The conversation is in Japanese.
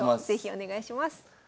是非お願いします。